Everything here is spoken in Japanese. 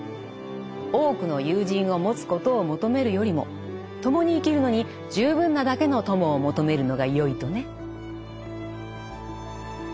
多くの友人を持つことを求めるよりも共に生きるのに十分なだけの友を求めるのがよいとね。